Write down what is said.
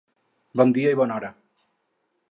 Bon dia i bona hora.